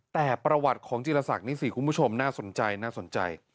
แต่ประวัติของจีรศักดิ์นี่สิคุณผู้ชมน่าสนใจน่าสนใจ